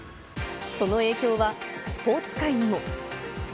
その影響はスポーツ界にも。